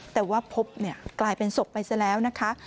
แต่ว่าพบกลายเป็นศพไปซะแล้วนะคะ